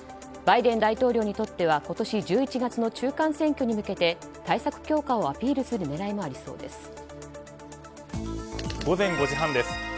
バイデン大統領にとっては今年１１月の中間選挙に向けて対策強化をアピールする狙いもありそうです。